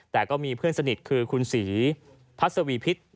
แต่ก็มีเพื่อนสนิทคือคุณศรีพัศวีพิษ